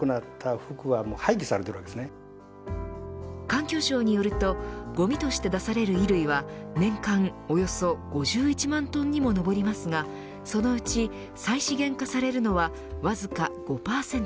環境省によるとごみとして出される衣類は年間およそ５１万トンにも上りますがそのうち再資源化されるのはわずか５％。